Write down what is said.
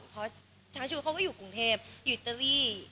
ทางชูเขาอยู่กรุงเทพอยู่ไอตรี